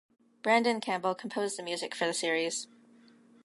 Brandon Campbell composed the music for the series.